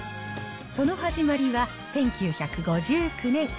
その始まりは、１９５９年。